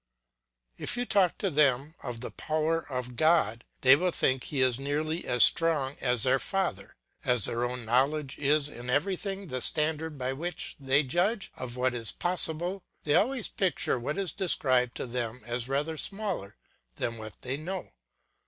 If you talk to them of the power of God, they will think he is nearly as strong as their father. As their own knowledge is in everything the standard by which they judge of what is possible, they always picture what is described to them as rather smaller than what they know.